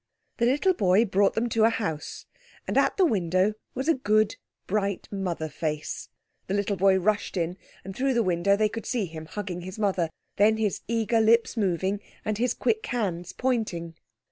The little boy brought them to a house, and at the window was a good, bright mother face. The little boy rushed in, and through the window they could see him hugging his mother, then his eager lips moving and his quick hands pointing.